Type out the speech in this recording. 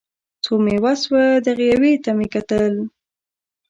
څو مې وس و دغې یوې ته مې کتل